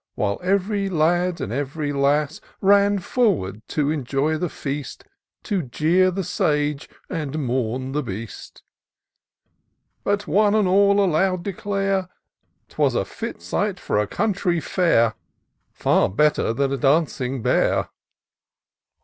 While ev'ry lad and ev'ry lass Ran forward to enjoy the feast, To jeer the sage, and mourn the beast. But, one and all, aloud declare, 'Twas a fit sight for country fair; Far better than a dancing bear.